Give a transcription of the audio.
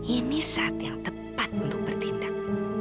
ini saat yang tepat untuk bertindak